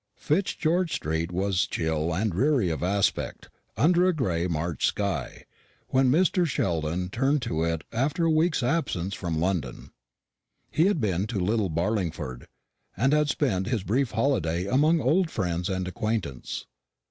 Fitzgeorge street was chill and dreary of aspect, under a gray March sky, when Mr. Sheldon returned to it after a week's absence from London. He had been to Little Barlingford, and had spent his brief holiday among old friends and acquaintance.